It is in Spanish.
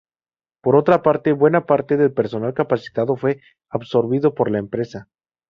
Por otra parte buena parte del personal capacitado fue absorbido por la empresa.